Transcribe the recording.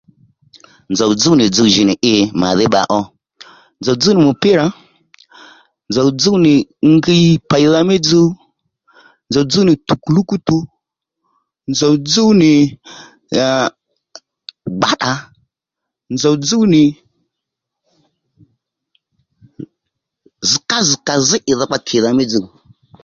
Nzòw dzúw nì dzuw jì nì i màdhí bba ó nzòw dzúw nì mùpírà nzòw dzúw nì ngiy pèydha mí dzuw nzòw dzúw nì tùkùlúkútù nzòw dzúw nì ee gbàtdà nzòw dzúw nì zžká-zz̀kà-zž ì dhokpa kìdha mí dzuw